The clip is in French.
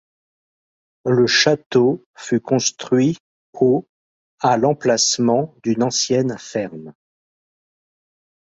Le château fut construit au à l'emplacement d'une ancienne ferme.